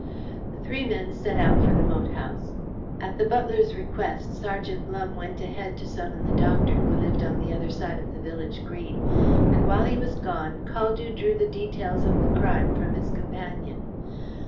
The three men set out for the moat house. At the butler's request Sergeant Lumbe went ahead to summon the doctor, who lived on the other side of the village green, and while he was gone Caldew drew the details of the crime from his companion.